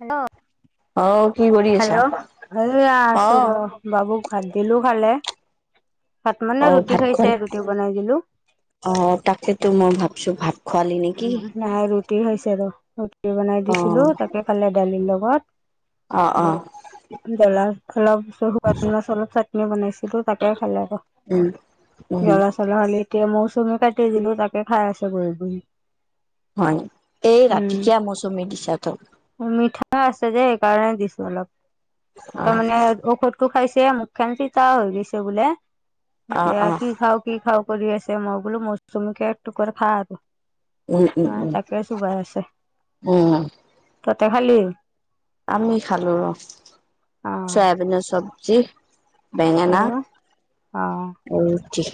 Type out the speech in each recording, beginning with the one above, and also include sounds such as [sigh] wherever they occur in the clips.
Hello, অ কি কৰি আছা? হেল্ল' এয়া আছো অ'। বাবুক ভাত দিলো খালে। ভাত মানে অ', ৰুটি ভাত খোৱালি? খাইছে ৰুটি বনাই দিলো। অ তাকেতো মই ভাবছো ভাত খোৱালি নেকি? নাই ৰুটি খাইছে ৰ ৰুটি বনাই দিছিলো অ', তাকে খালে দালিৰ লগত অ', হেল্লো অ', দালাল অলপ শুকান মাছ ছাট [unintelligible] বনাইছিলো তাকে খালে আক উম, উম, জলা ফলা হলি এতিয়া মৌচুমী কাটি দিলো তাকে খাই আছে বহি বহি হয় এই ৰাতিকিয়া উম মৌচুমী দিছা ত মিঠা আছে যে সেইকাৰণে দিছো অলপ অ', তাৰমানে ঔষধ টো খাইছে মুখখেন চিতা হৈ গৈছে বোলে অ', এতিয়া অ', কি খাও কি খাও কৰি আছে মই বোলো মৌচুমী কে এক টুকুৰ খা আৰু উম, অ উম, উম, তাকে চোবাই আছে উম। ততে খালি আমি খালো ৰ অ', চয়াবিনৰ চব্জি আৰু বেঙেনা অ', ৰুটি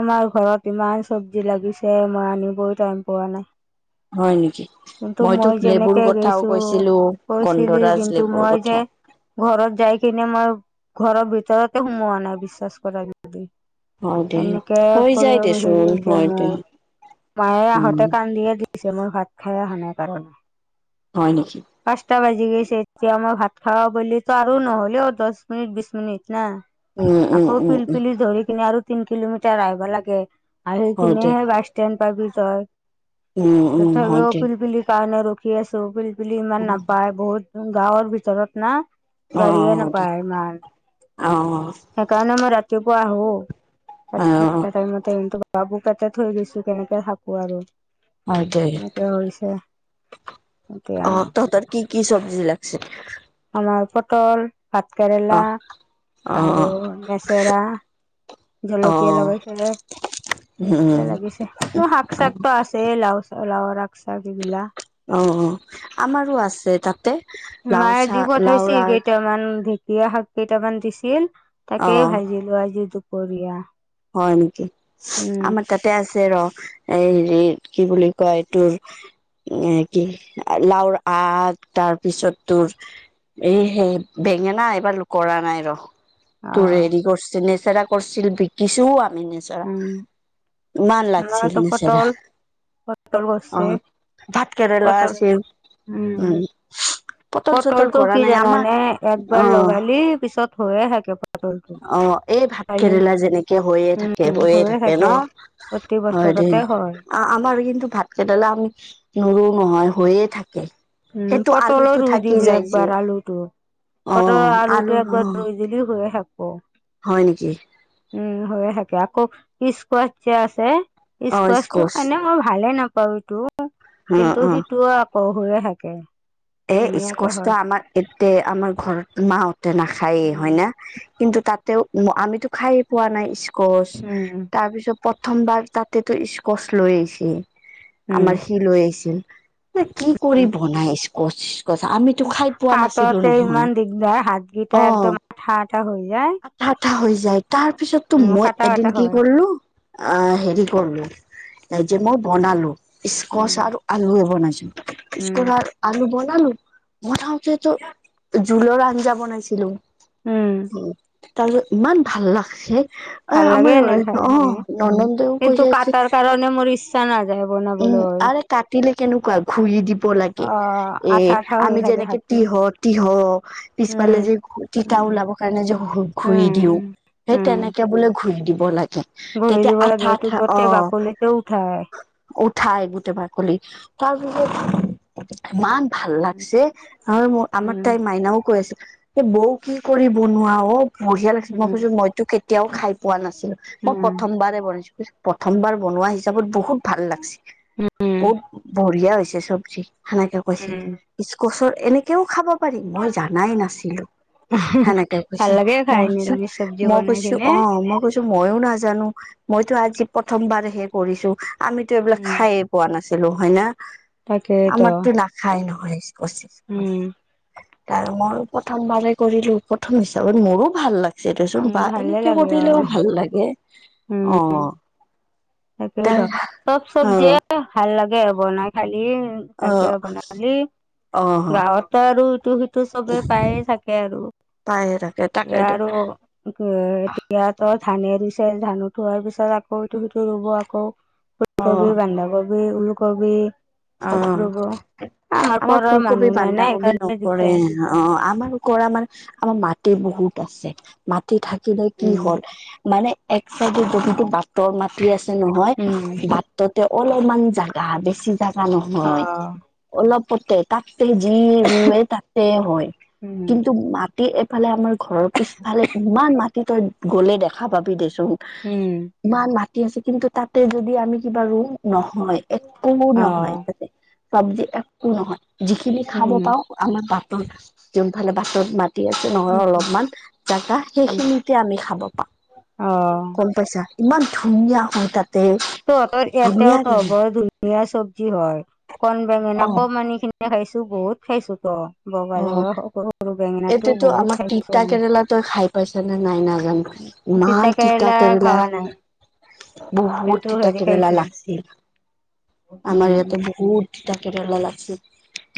আমাৰ ঘৰত ইমান চবজি লাগিছে মই আনিবয় টাইম পোৱা নাই। হয় নেকি কিন্তু মইতো মই লেবুৰ যেনেকে কথাও গৈছো কৈছিলো কৈছিলি গন্ধৰাজ কিন্তু লেবুৰ মই যে কথা ঘৰত যাই কিনে মই ঘৰৰ ভিতৰতে সোমোৱা নাই বিশ্বাস কৰা। হয় দে, এনেকে হৈ যায় কৰব লাগি দেচোন গৈছে হয় দে, মোৰ মায়ে উম, আহঁতে কান্দিয়ে দিছে মোৰ ভাত খাই অহা নাই কাৰণে হয় নকি? পাঁচটা বাজি গৈছে এতিয়া মই ভাত খাব বিৰলিত আৰু নহলে অ দহ মিনিট বিশ মিনিট না উম, উম, আকৌ উম, পিল উম, পিলি ধৰি কিন আৰু তিন কিলোমিটাৰ আহিব লাগে আহি হয় দে। কিনিহে বাছ ষ্টেণ্ড পাবি তই উম উম হয় থগেও দে পিল পিলি পায় না ৰোগ ৰখি আছো পিলপিলি ইমান নাপায় বহুত গাঁৱৰ ভিতৰত না অ গাড়ীয়ে নাপায় ইমান অ সেইকাৰণে মই ৰাতিপুৱা আহো সাত অ সাতটা টাইমতে বাবুক তাতে থৈ গৈছো কেনেকে থাকো আৰু হয় দে এনেকে হৈছে এতিয়া অ তহতৰ কি কি চব্জি জিলা [inaudible] আমাৰ পটল, ভাতকেৰেলা অ অ আৰু নেচেৰা জলকীয়া লগাইছে। উম উম এ শাক চাক তো আছে লাও লাওৰ আগ উম উম আমাৰো আছে তাতে লাও চা লাওৰ আগ। কেমান ঢেঁকীয়া শাক কেইটামান দিছিল অ তাকেই ভাজিলো আজি দুপৰীয়া হয় নেকি? উম আমাৰ- তাতে আছে ৰ এই হেৰি কি বুলি কয় তোৰ এ কি লাওৰ আগ তাৰপিছত তোৰ এই সে বেঙেনা এইবাৰ লুকৰা নাই ৰ অ তোৰ হেৰি কৰিছিল নেচেৰা কৰিছিল বিকিছোও আমি নেচ তেৰা উম। মান লাগছিল আমাৰতো নিচেৰা পটল পটল অ কৰিছে ভাত কেৰেলা পটল আছে উম পটল চটল পটলটো কি কৰা নাই আমাৰ আহ থইয়ে থাকে পটলটো। অ এই ভাত কালি কেৰেলা যেনেকে হৈয়ে থাক- উম কেবয়ে হৈয়ে থাকে ন প্ৰতি হয় দে বছৰতে হয় আমাৰ কিন্তু ভাতকেৰেলা আমি নুৰো নহয় হৈয়ে থাকে। উম সেইটো পটলো আলুটো ৰুই থাকি দিবি যায় যে একবাৰ আলুটো অ পটল আলু আলুটো অ একবাৰ ৰুই যদিও হৈ থাকব। হয় নেকি? উম হৈয়ে থাকে আকৌ কিস কোৱাচ যে আছে্ কিচ অ স্কোৱাচটো স্কচ এনে মই ভালে নাপাও এইটো অ কিন্তু অ সিটোও আকৌ হৈয়ে থাক- কে এ ইচকচটো আমাক এতে আমাৰ ঘৰত মাহতে নাখ- খায়ে হয় উম না কিন্তু তাতেও আমিতো খায়ে পোৱা নাই। কচ উম তাৰপিছত প্ৰথমবাৰ তাতেতো ইস্কচ লৈছে উম আমাৰ সি লৈ আহিছিল কি কৰি বনাই ইছকছ কচ আমি কাটাতে ইমান দিগদাৰ হাত অ গিটা একদম আঠা আঠা হৈ যায়। আঠা আঠা হৈ যায় তাৰ পিছততো উম মই ফাটা এদিন ফাটা কি হয় কৰিলো আ হেৰি কৰলো যে মই বনালো স্কচ উম আৰু আলুও বনাইছো। উম স্কুঢাল বনালো বনাওতেতো জোলৰ আঞ্জা বনাইছিলো। উম অ তাৰপাছত ইমান ভাল লাগছে অ ভাল লাগে আমাৰ এনে খাই অ কিনে ননন দেও কৈ কিন্তু [unintelligible] আছে কাটাৰ কাৰণে মোৰ ইচ্ছা নাযায় উম বনাবলৈ আৰে কাটিলে কেনেকুৱা ঘূৰি দিব লাগে অ আঠা আঠা হৈ আমি থাকে যেনেকে হাতটো তিহ তিহ উম পিছফালে যে তিতা উম ওলাব- কাৰণে যে ঘূৰি উম দিও সেই উম তেনেকে বোলে ঘূৰি দিব লাগে। বহি তেতিয়া দিব লাগে আঠা এইটো আঠা অ গোটেই বাকলিটো উঠাই। উঠাই গোটেই পাকলি তাৰপিছত ইমান ভাল লাগছে। আৰু মোৰ আমাৰ উম, তাই মাইনাও কৈ আছিল এ বৌ কি কৰি বনোৱা অওব বঢ়িয়া লাগিছে মই উম, কৈছো মইতো কেতিয়াও খাই পোৱা নাছিলো মই উম, প্ৰথমবাৰে বনাইছো প্ৰথমবাৰ বনোৱা হিচাপত বহুত ভাল লাগছি। উম, বহুত বঢ়িয়া হৈছে চবজি সনেকে কৈছে উম। ইচকচৰ এনেকেও খাব পাৰি মই জানাই নাছিলো। সেনেকে কৈছ ভাল লাগে খাই মই ভাবিছোঁ নিৰামিষ চব্জি মই বনাই কৰিছো কিনে। অ মই কৈছ- মইও নাজানো মইতো আজি প্ৰথমবাৰহে কৰিছো আমিতো এইবিলাক উম, খাই পোৱা নাছিলো হয় না। তাকেইতো আমাৰতো নাখাই নহয় ইস্কচ উম, চিস্কছ তাৰ মৰ প্ৰথম বাৰে কৰিলো প্ৰথম হিচাপত মৰো ভাল লাগ- চেটে চোন উম, বা ভালে এনেকে লাগে কৰিলেও অ', ভাল লাগে অ তাকেই তাই ত সব অ চবজিয়েই ভাল লাগে বনাই খালি এ অ ভালকে বনালি অ গাওঁতে আৰু ইটো-সিট টো চবে পায়ে থাকে আৰু তাই তাকে এ তাকেতো আৰু উ উ এ এ এতিয়াতো ধানে দিছে ধান উঠোৱাৰ পিছত আকৌ এইটো-সিটো। ৰু ৰুব আকৌ অ ফুলকবি, বন্ধাকবি, ওলকবি। অ চব ৰুব আমাৰ পাৰ মানুহ নাই নাই সেইকাৰণে দিগদাৰ। হে অ অ অ আমাৰ কৰা মানে ইস্ আমাৰ মাটি বহুত আছে মাটি থাকিলে কি উম হ'ল এ এ আমানে এক চাইডে যদি তোৰ বাটৰ মাটি আছে নহয় উম বাটত। তেওঁৰ অলপমান জাগা বেছি জাগা অ নহয় অলপতে ততে যি ৰুৱে ততে হয় উম কিন্তু মাত এইফালে আমাৰ ঘৰৰ পিছফালে ইমান মাটি তই গলে দেখা পাবি দেছোন। উম উ উ উ। ইমান মাতি আছে কিন্তু তাতে যদি আমি কিবা ৰু নহয় একো ন অ তাতে চব্জি একো নহয় যিখিনি খাব উম পাওঁ আমাৰ বাটত যোনফালে বাটত মাত দি আছে নহয় অলপমান জাগা উম সেইখিনিতে আমি খাব পাওঁ অ গম পাইছা ইমান ধুনীয়া হয় তাত তহঁতৰ ইয়াতেওতো হ'ব ধন ধুনিয়া চব্জি হয় কন অ বেঙেনা কম আনি কিনে খাইছো বহুত খাইছো ত। অ অ অ এইটোতো বহুত আমাক খাইছো তিতা আমি কেৰেলা তই খাই পাইছ নে নাই নাজানো? ইমান তিতা কেৰেলা বহুত কিন্তু তিতা হেৰি কেৰেলা খাইছো লাগছিল আমাৰ উম ইয়াতে বহুত তিতা কেৰেলা লাগছে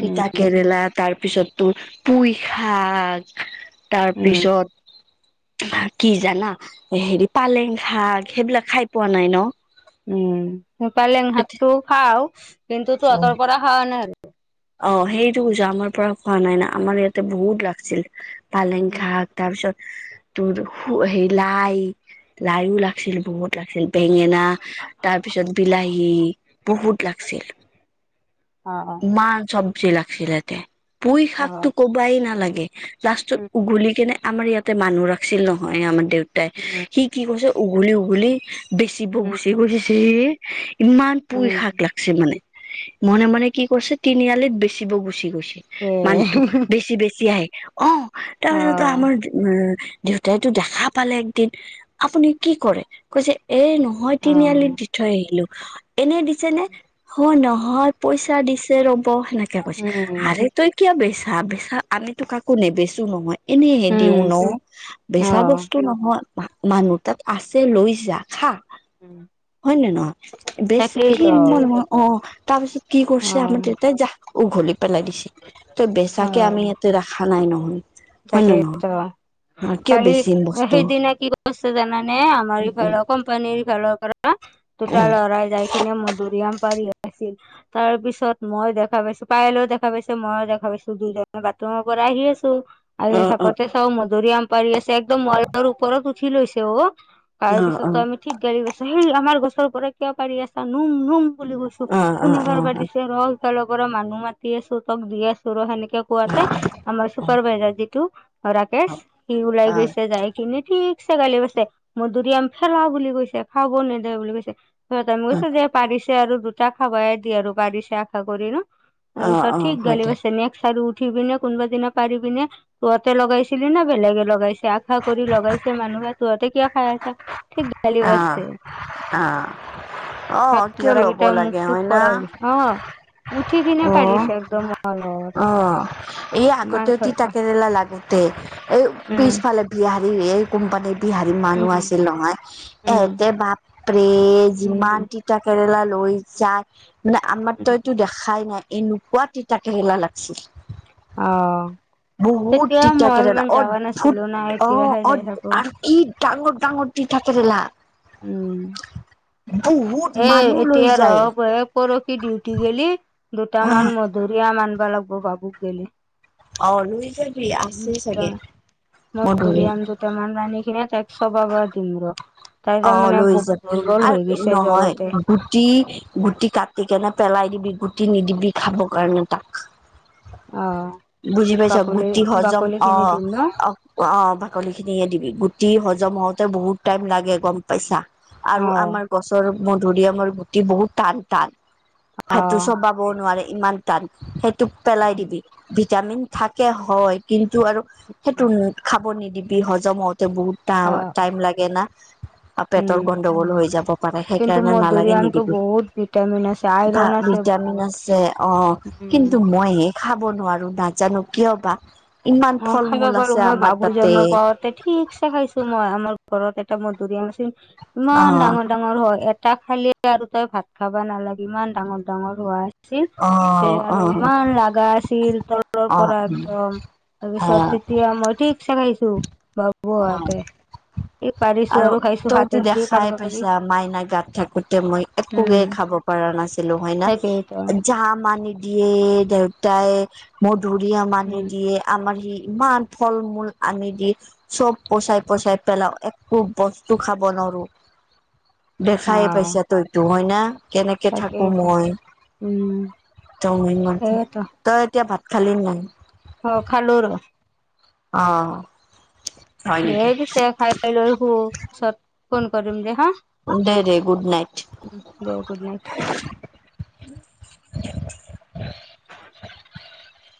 উম কেৰেলা তাত তাৰপিছত তোৰ পুই শাক উম তাৰপিছত তহঁত কি জানা হেৰি পালেং শাক সেইবিলাক খাই পোৱা নাই ন। উম উ উ উ, উম পালেং শাকটো খাও ইস্ কিন্তু তহঁতৰ পৰা খাৱা নাই আৰু অ সেইটো কৈছা আমাৰ পৰা খোৱা নাই না আমাৰ ইয়াতে বহুত লাগছিল পালেং শাক তাৰপিছত উ উ উ তোৰ হো সেই লাই লাইও লাগছিল বহুত লাগছিল বেঙেনা ইহ্ তাৰপিছত বিলাহী বহুত লাগছিল। অ অ ইমান চব্জি লাগিছিলেতে পুই অ শাকতো কবাই নালাগে ইহ্ লাষ্টত উম উঘলি কেনে আমাৰ ইয়াতে মানুহ ৰাখছিল নহয় আমাৰ দেউতাই উম ইহ্ সি কি কৈছে উঘলি উঘলি ই বেচিব উম গুচি গৈছে হে ইহ্ ইমান পুই উম শাক লাগছে মানে মনে মনে কি কৰিছে তিনিআলিত বেচিব গুচি গৈছে এ মানুহটো বেছি বেছি আহে অ উহ অ তাৰপিছততো আমাৰ উ উ উ ইহ দেউতাইতো দেখা পালে একদিন ই ই ইহ আপুনি কি কৰে? কৈছে এ নহয় অ তিনিআলিত দি থৈ আহিলো অ অ এনেই দিছে নে হয় নহয় পইচা দিছে ৰ'ব সেনেকে কৈছে উম আৰে তই কিয় বেচা-বেচা আমিতো কাকো নেবেচো নহয়। এনেহে দিও উম ন ই ই হা অ বেচা বস্তু নহয়। মা মানুহৰ তাত আছে লৈ যা খা। হয় নে নহয় বেচ সি তাকেইতো ম হয় অ অ তাৰপিছত কি অ কৰছে আমাৰ তয় তাই জা উঘলি পেলাই দিছে তই বেচাকে আমি ইয়াতে ৰাখা নাই নহয়। হয় নে তাকেই নহয়? তো হা অ কিয় কালি বেচিম বস্তু? সেইদিনা কি কৰছে জানানে আমাৰ এইফালৰ কোম্পানিৰ ফালৰ পৰা অঁ, দুটা লৰাই যাই কিনে মধুৰি আম পাৰি আাছিল। তাৰ পিছত মই দেখা পাইছো পায়েলেও দেখা পাইছে মইয়ো দেখা পাইছো দুইজনে বাথৰুমৰ পৰা আহি আছো। আৰু অ অ হেপাতে চাও মধুৰি আম পাৰি আছে একদম ৱালৰ ওপৰত উঠি লৈছে অ। অ অ অ তাৰপিছতো আমি ঠিক গালি পাৰছো সেই আমাৰ গছৰ পৰা কিয়া পাৰি আছা নম নম বুলি কৈছো। তোক অ অ কোনেবাৰ পা দিছে ৰ সিফালৰ পৰা মানুহ মাতি আছো তক দি আছো ৰ সেনেকে কে অ কোৱাতে আমাৰ চুপাৰভাইজাৰ যিটো ৰাকেশ সি ওলাই অ গৈছে যায় এনে ঠিকছে গালি পছে মধুৰি আম ফেৰা বুলি কৈছে খাব নেদে বুলি কৈছে স তাই মই কৈছো যে পাৰিছে আৰু দুটা খাবাইয়ে দি আৰু পাৰিছে আশা কৰি ন। অ তাৰপিছত অ ঠিক হয় গালি দে। পাৰছে নেক্সট আৰু উঠিব নে কোনোবা দিনা পাৰিবি নে। তহঁতে লগাইছিলি না বেলেগে লগাইছে আশা কৰি লগাইছে মানুহে তহঁতে কিয় খাই আছা। ঠিক গালি অ পাৰছে অ অ তাত কিয় ল'ব ল'ৰাকেইটা মুখ লাগে চুখ হয় না? কৰা হৈ হৈছে। অ উঠি কিনে অ পাৰিছে একদম মলত অ এই ইমান আগতেও তিতা ছয়টা কেৰেলা লাগে তে এই উম পিছফালে বিহাৰী এই কোম্পানী, বিহাৰী মানুহ উম আছে নহয় উম এহতে বাপৰে যিমান উম তি, তিতা কেৰেলা লৈ যাই মানে আমাৰ উম তই এইটো দেখাই নাই এনেকোৱা তিতা কেৰেলা লাগে। অ [unintelligible] বহুত তেতিয়া তিতা মই কেৰেলা ইমান যাৱা নাছিলো না অদ্ভূত অ এতিয়াহে যাই অদ থাকো আৰু কি ডাঙৰ ডাঙৰ তিতাকেৰেলা উম এ মানুহ লৈ এতিয়া যায় ৰব এ পৰসি ডিউটি গেলি দুটামান মধুৰিআম আনিবা লাগিব বাবুক গেলি অ লৈ যাবি আছে চাগে মধুৰি কেইটামান আনি কিনিয়ে তাইক চবাব দিম ৰ তাই অ তাৰমানে লৈ বহুত যাম দুৰ্বল হৈ আৰু গৈছে। নহয় জ্বৰতে গুটি গুটি কাটি কেনে পেলাই দিবি গুটি নিদিবি খাবৰ কাৰণে তাক। অ বুজি পাইছা বাকলি গুটি হজম বাকলি অ খিনি দিম ন অ অ বাকলি খিনি দিবি গুটি হজম হওঁতে বহুত টাইম লাগে গম পাইছা আৰু অ আমাৰ গছৰ মধুৰিআমৰ গুটি বহুত টান টান অ সেইটো চবাব ব নোৱাৰে ইমান টান, সেইটো পেলাই দিবি ভিটামিন থাকে হয় কিন্তু আৰু সেইটো খাব নিদিবি হজম হওতে বহুত টা অ টাইম লাগে না আৰু উম পেটৰ গণ্ডগোল হৈ যাব পাৰে কিন্তু সেইকাৰণে নালাগে মধুৰিআমটো নিদিবি বহুত ভিটামিন আছে ভা আইৰন আছে ভিটামিন বহুত আছে অ উম কিন্তু মই এ ব নোৱাৰো নাজানো কিয় বা ইমান অ ফল মূল আছে আমাৰ তাতে ঠিকচে খাইছো মই আমাৰ ঘৰত এটা মধুৰি আম আছে অ ইমান ডাঙৰ ডাঙৰ মোৰ হয় এটা খালি আৰু তই ভাত খাবা নালাগে ইমান ডাঙৰ ডাঙৰ হোৱা আছিল অ এ অ আৰু ইমান লাগা আছিল তলৰ অ পৰা একদম অ তাৰপিছত তেতিয়া মই ঠিকছে খাইছো বাবু হাতে কি পাৰিছো আৰু খাই তইতো দেখাই পাইছা মাইনা গাত থাকোতে মই একোকে খাব পৰা নাছিলো হয় ন সেইটো আও জাম আনি দিয়ে দেউতাই মধুৰিআম আনি উম দিয়ে আমাৰ সি ইমান ফল মূল আনি দি চব পচাই পচাই পেলাও একো বস্তু খাব নোৱাৰো অ দেখাই পাইছা তইটো হয় না কেনেকে থাকো তাকেইতো মই উম একদম ইমান সেইয়েতো তই এতিয়া ভাত খালি নাই অ খালো ৰ অ হয় দে নেকি পিছে খাই লৈ হু পাছত ফোন কৰিম দে হা দে দে গুড নাইট ওম দে গুড নাইট [unintelligible]